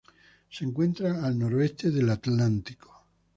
Se encuentra al noroeste del Atlántico.